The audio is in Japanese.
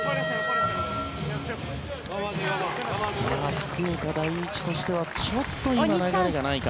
福岡第一としてはちょっと今流れがないか。